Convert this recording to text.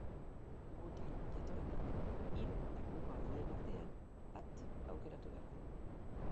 Gutar jatorrenak hiru helmuga horien artean bat aukeratu beharko du.